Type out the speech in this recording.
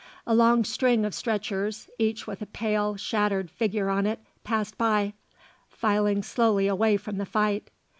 A long string of stretchers, each with a pale, shattered figure on it, passed by, filing slowly away from the fight.